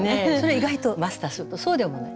意外とマスターするとそうでもない。